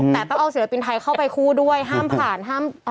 แต่ต้องเอาศิลปินไทยเข้าไปคู่ด้วยห้ามผ่านห้าม